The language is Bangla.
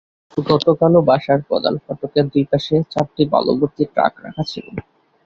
গতকালও বাসার প্রধান ফটকের দুই পাশে চারটি বালুভর্তি ট্রাক রাখা ছিল।